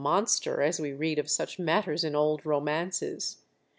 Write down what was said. monster, as we read of such matters in old romances.